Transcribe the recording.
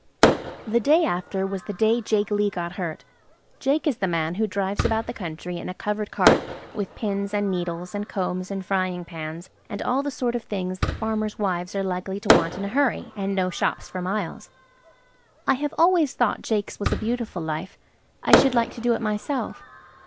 The day after was the day Jake Lee got hurt. Jake is the man who drives about the country in a covered cart, with pins and needles, and combs and frying pans, and all the sort of things that farmers' wives are likely to want in a hurry, and no shops for miles. I have always thought Jake's was a beautiful life. I should like to do it myself.